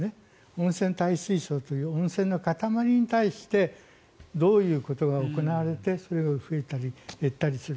温泉帯水層という温泉の塊に対してどういうことが行われてそれが増えたり減ったりする。